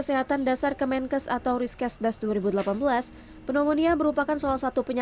jika tidak ditangani dengan barat penyakit pneumonia akan menyebabkan penyakit pneumonia